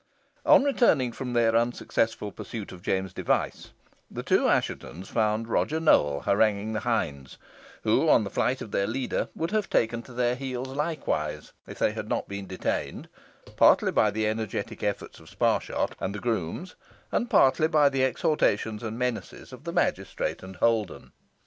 On returning from their unsuccessful pursuit of James Device, the two Asshetons found Roger Nowell haranguing the hinds, who, on the flight of their leader, would have taken to their heels likewise, if they had not been detained, partly by the energetic efforts of Sparshot and the grooms, and partly by the exhortations and menaces of the magistrate and Holden.